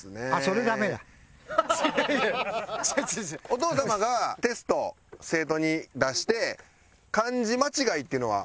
お父様がテスト生徒に出して漢字間違いっていうのは？